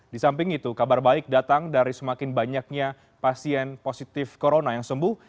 di samping itu kabar baik datang dari semakin banyaknya pasien positif corona yang sembuh